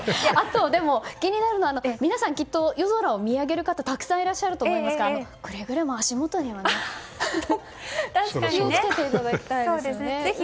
でも気になるのは皆さん夜空を見上げる方たくさんいらっしゃると思いますからくれぐれも足元にはね気を付けていただきたいですね。